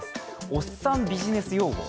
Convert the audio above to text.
おっさんビジネス用語。